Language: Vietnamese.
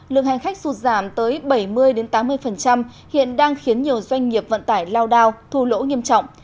lượng hành khách sụt giảm tới bảy mươi tám mươi hiện đang khiến nhiều doanh nghiệp vận tải lao đao thu lỗ nghiêm trọng